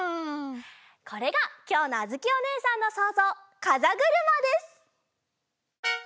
これがきょうのあづきおねえさんのそうぞうかざぐるまです！